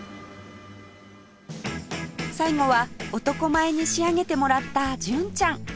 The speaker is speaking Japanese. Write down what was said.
最後は男前に仕上げてもらった純ちゃん